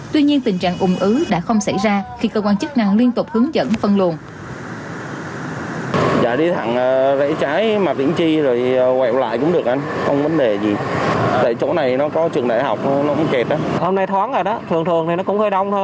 tuy nhiên tình trạng ủng ứ đã không xảy ra khi cơ quan chức năng liên tục hướng dẫn phân luồng